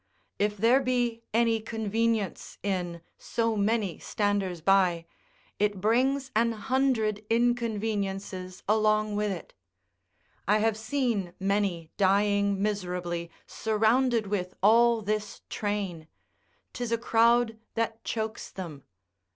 If there be any convenience in so many standers by, it brings an hundred inconveniences along with it. I have seen many dying miserably surrounded with all this train: 'tis a crowd that chokes them.